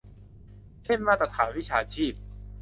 เช่นมาตรฐานวิชาชีพ